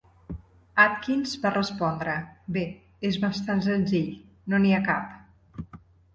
Atkins va respondre: "Bé, és bastant senzill: no n'hi ha cap".